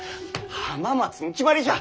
浜松に決まりじゃ！